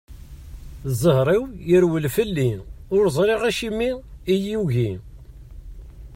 Zher-iw, irewwel fell-i, ur ẓriɣ acimi i iyi-yugi.